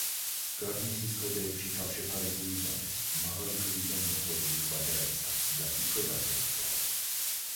გარნისის კლდეებში თავშეფარებულ ივანეს მაღალი კლდიდან მოწყვეტილი ქვა დაეცა და იქვე გარდაიცვალა.